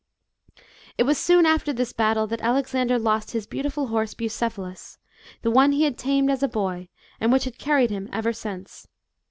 It was soon after this battle, that Alexander lost his beautiful horse Bucephalus, the one lie had tamed as a boy, and which had carried him ever since.